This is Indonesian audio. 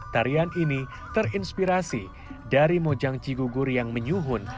tarian ini terinspirasi dari mojang cigugur yang menyuhun